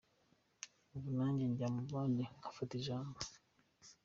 Ubu nanjye njya mu bandi ngafata ijambo”.